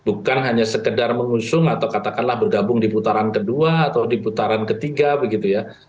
bukan hanya sekedar mengusung atau katakanlah bergabung di putaran kedua atau di putaran ketiga begitu ya